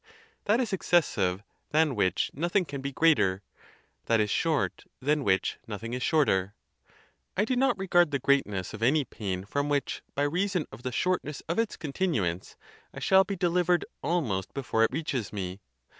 That is excessive than which nothing can be greater; that is short than which noth ing is shorter. I do not regard the greatness of any pain from which, by reason of the shortness of its continuance, I shall be delivered almost before it reaches me.